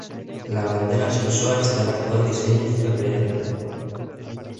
La bandera se usó hasta el actual diseño fue creado.